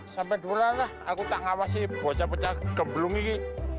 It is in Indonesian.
sampai duluan lah aku tak ngawasi bocah pecah gemblung ini